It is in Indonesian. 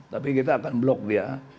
tapi kita akan blok dia